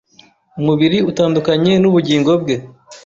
umubiri utandukanye nubugingo bwe